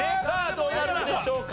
どうなるんでしょうか？